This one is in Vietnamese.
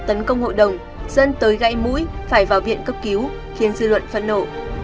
tấn công hội đồng dân tới gãy mũi phải vào viện cấp cứu khiến dư luận phẫn nộ